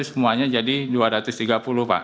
semuanya jadi dua ratus tiga puluh pak